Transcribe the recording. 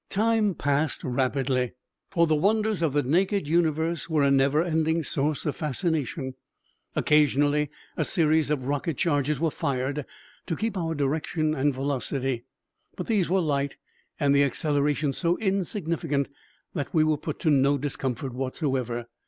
Time passed rapidly, for the wonders of the naked universe were a never ending source of fascination. Occasionally a series of rocket charges was fired to keep our direction and velocity, but these were light, and the acceleration so insignificant that we were put to no discomfort whatever.